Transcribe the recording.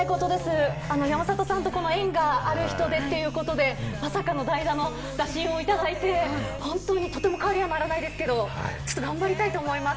山里さんが縁がある人でということで、まさかの代打の打診をいただいて、本当に感無量なんですけれども、頑張りたいと思います。